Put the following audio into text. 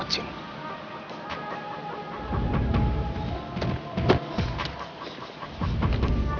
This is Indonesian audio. buat saya ini tanya esta